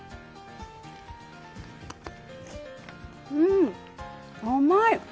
うん、甘い。